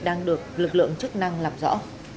đang được lực lượng chức năng làm rõ